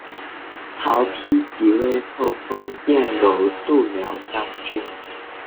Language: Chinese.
曹丕即位后封阎柔度辽将军。